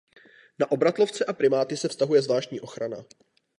Na obratlovce a primáty se vztahuje zvláštní ochrana.